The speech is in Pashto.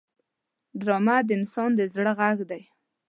ډرامه د انسان د زړه غږ دی